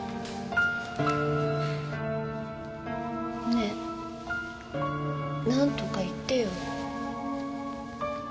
ねえなんとか言ってよ。